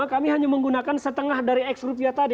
karena kami hanya menggunakan setengah dari x rupiah tadi